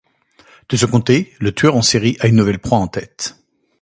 De son côté, le tueur en série a une nouvelle proie en tête…